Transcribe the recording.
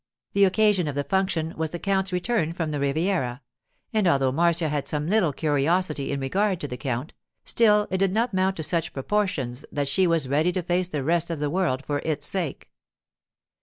The occasion of the function was the count's return from the Riviera; and although Marcia had some little curiosity in regard to the count, still it did not mount to such proportions that she was ready to face the rest of the world for its sake.